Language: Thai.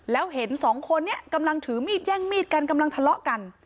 แล้วเห็นสองคนนี้กำลังถือมีดแย่งมีดกันกำลังทะเลาะกัน